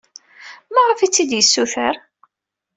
Maɣef ay tt-id-yessuter?